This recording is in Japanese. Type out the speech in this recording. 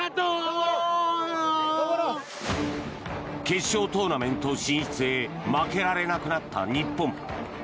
決勝トーナメント進出へ負けられなくなった日本。